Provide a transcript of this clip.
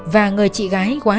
và người chị gái quá trời